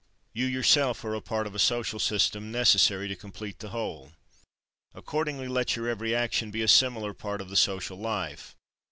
23. You yourself are a part of a social system necessary to complete the whole. Accordingly, let your every action be a similar part of the social life.